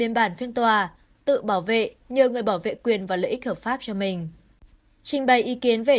hãy đăng ký kênh để ủng hộ kênh của chúng mình nhé